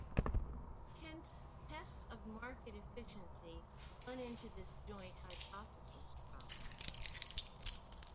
Hence tests of market efficiency run into this joint hypothesis problem.